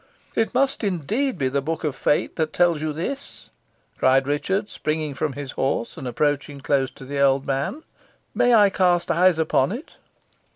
"It must indeed be the Book of Fate that tells you this," cried Richard, springing from his horse, and approaching close to the old man. "May I cast eyes upon it?"